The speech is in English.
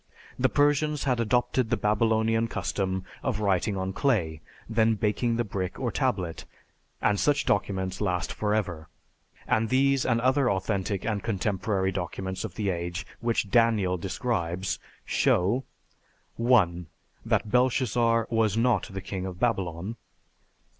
The Persians had adopted the Babylonian custom of writing on clay, then baking the brick or tablet, and such documents last forever. And these and other authentic and contemporary documents of the age which 'Daniel' describes show: 1. That Belshazzar was not the king of Babylon.